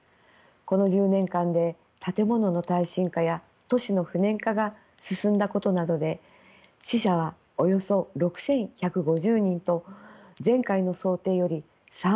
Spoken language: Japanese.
この１０年間で建物の耐震化や都市の不燃化が進んだことなどで死者はおよそ６，１５０人と前回の想定より３割余り少なくなりました。